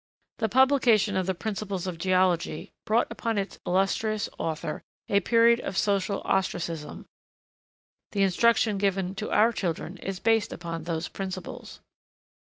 The publication of the 'Principles of Geology' brought upon its illustrious author a period of social ostracism; the instruction given to our children is based upon those principles.